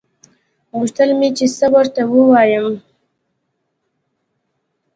غوښتل مې چې څه ورته ووايم.